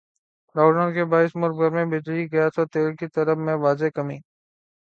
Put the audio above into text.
lock Dawn کے باعث ملک میں بجلی گیس اور تیل کی طلب میں واضح کمی